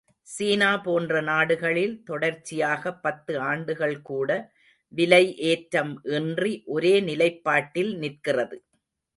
சீனா போன்ற நாடுகளில் தொடர்ச்சியாகப் பத்து ஆண்டுகள் கூட விலை ஏற்றம் இன்றி ஒரே நிலைப்பாட்டில் நிற்கிறது.